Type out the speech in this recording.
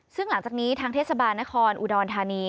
ซึ่งหลังจากนี้ทางเทศบาลนครอุดรธานี